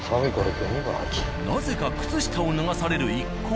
なぜか靴下を脱がされる一行。